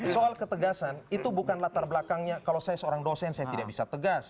soal ketegasan itu bukan latar belakangnya kalau saya seorang dosen saya tidak bisa tegas